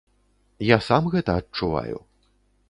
Я сам гэта адчуваю.